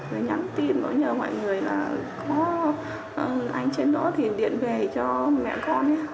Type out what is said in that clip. rồi nhắn tin nhờ mọi người là có anh trên đó thì điện về cho mẹ con nhé